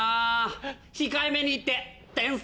控えめに言って天才！